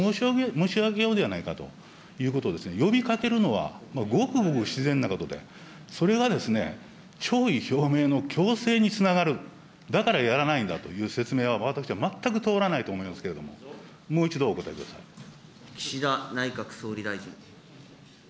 申し上げようではないかということを呼びかけるのは、ごくごく自然なことで、それが弔意表明の強制につながる、だからやらないんだという説明は、私は全く通らないと思いますけど岸田内閣総理大臣。